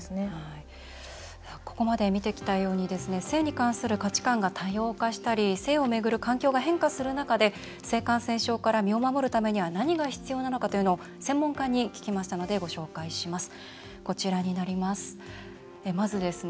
ここまで見てきたように性に関する価値観が多様化したり性を巡る環境が変化する中で性感染症から身を守るためには何が必要なのかというのを専門家に聞きましたのでご紹介します。